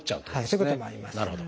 そういうこともあります。